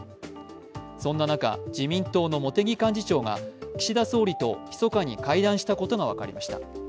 そんな中、自民党の茂木幹事長が岸田総理とひそかに会談したことが分かりました。